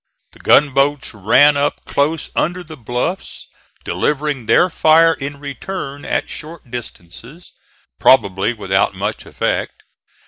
The gunboats ran up close under the bluffs, delivering their fire in return at short distances, probably without much effect.